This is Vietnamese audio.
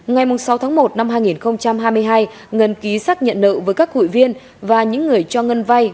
ngày sáu tháng một năm hai nghìn hai mươi hai ngân ký xác nhận nợ với các hụi viên và những người cho ngân vay